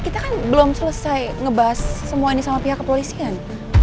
kita kan belum selesai ngebahas semua ini sama pihak kepolisian